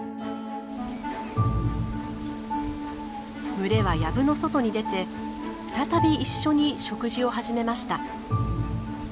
群れは藪の外に出て再び一緒に食事を始めました。